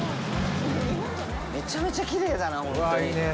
めちゃめちゃきれいだな、ほんとに。